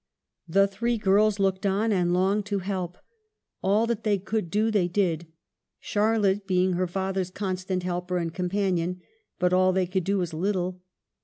The three girls looked on and longed to help. All that they could do they did, Charlotte being her father's constant helper and companion ; but all they could do was little.